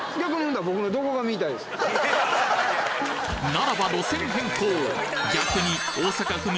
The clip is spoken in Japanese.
ならば路線変更！